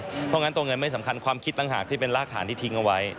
เพราะงั้นตัวเงินไม่สำคัญความคิดต่างหากที่เป็นรากฐานที่ทิ้งเอาไว้